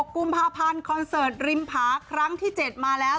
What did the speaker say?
กุมภาพันธ์คอนเสิร์ตริมผาครั้งที่๗มาแล้ว